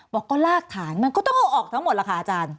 บอกก็ลากฐานมันก็ต้องเอาออกทั้งหมดล่ะค่ะอาจารย์